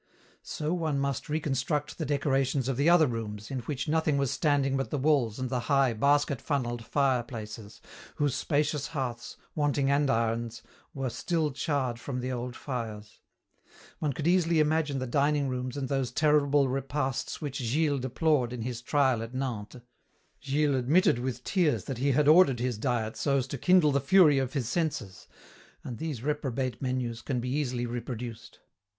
So one must reconstruct the decorations of the other rooms, in which nothing was standing but the walls and the high, basket funneled fireplaces, whose spacious hearths, wanting andirons, were still charred from the old fires. One could easily imagine the dining rooms and those terrible repasts which Gilles deplored in his trial at Nantes. Gilles admitted with tears that he had ordered his diet so as to kindle the fury of his senses, and these reprobate menus can be easily reproduced.